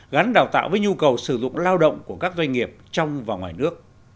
gắn đào tạo với nhu cầu sử dụng lao động của các doanh nghiệp trong và ngoài nước